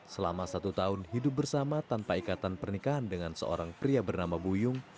selama satu tahun hidup bersama tanpa ikatan pernikahan dengan seorang pria bernama buyung